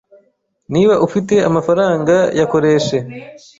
Niba ufite amafaranga yakoreshe